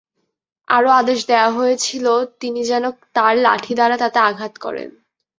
আরো আদেশ দেয়া হয়েছির তিনি যেন তাঁর লাঠি দ্বারা তাতে আঘাত করেন।